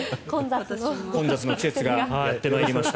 混雑の季節がやってまいりました。